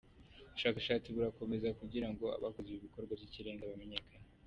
Ubushakashatsi burakomeza kugira ngo abakoze ibikorwa by’ikirenga bamenyekane.